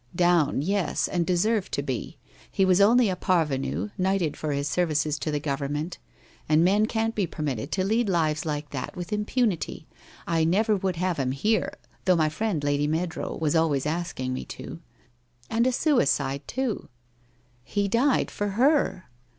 '* Down, yes, and deserved to be. He was only a par venu, knighted for his services to the Government. And men can't be permitted to lead lives like that with im punity. I never would have him here, though my friend Lady Meadrow was always asking me to. And a sui cide, too! '' He died for her.'